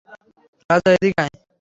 রাজা, এদিক আই।